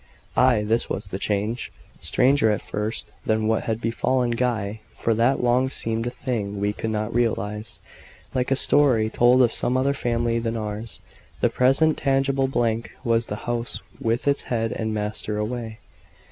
Ay, this was the change stranger at first than what had befallen Guy for that long seemed a thing we could not realise; like a story told of some other family than ours. The present tangible blank was the house with its head and master away.